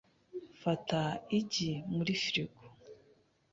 Fata igi muri firigo .